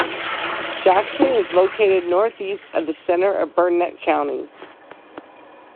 Jackson is located northeast of the center of Burnett County.